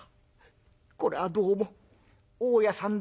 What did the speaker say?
「これはどうも大家さんで。